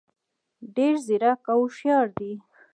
ډېر ځیرک او هوښیار دي.